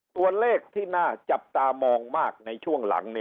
ตัวเลขที่น่าจับตามองมากในช่วงหลัง